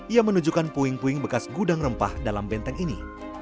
ia menunjukkan puing puing bekas gudang rempah dalam benteng ini